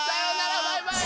バイバイ！